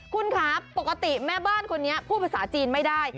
คุณคะปกติแม่บ้านคนนี้พูดภาษาจีนไม่ได้